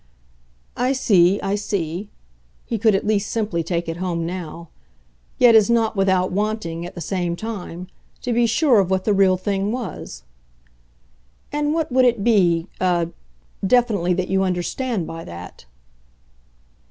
"I see, I see" he could at least simply take it home now; yet as not without wanting, at the same time, to be sure of what the real thing was. "And what would it be a definitely that you understand by that?"